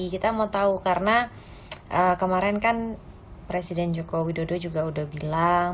kita mau tahu karena kemarin kan presiden joko widodo juga udah bilang